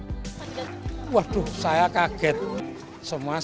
kedatangan presiden jokowi dan rombongan ini disambut gembira oleh warga dan juga pemilik warung